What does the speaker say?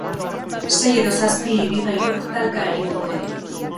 Sei edo zazpi ibilgailuk talka egin dute.